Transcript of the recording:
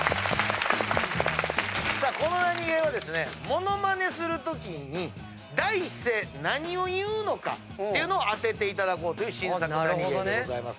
さあこのナニゲーはですねモノマネするときに第一声何を言うのかっていうのを当てていただこうという新作ナニゲーでございます。